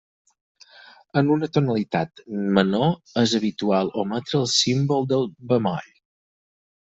En una tonalitat menor és habitual ometre el símbol del bemoll.